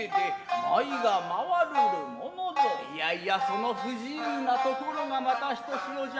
イヤイヤその不自由なところがまたひとしおじゃ。